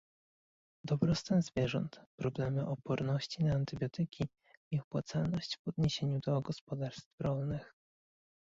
dobrostan zwierząt, problemy oporności na antybiotyki i opłacalność w odniesieniu do gospodarstw rolnych